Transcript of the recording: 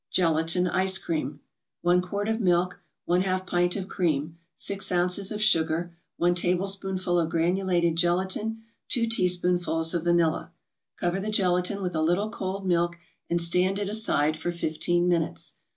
GELATIN ICE CREAM 1 quart of milk 1/2 pint of cream 6 ounces of sugar 1 tablespoonful of granulated gelatin 2 teaspoonfuls of vanilla Cover the gelatin with a little cold milk and stand it aside for fifteen minutes.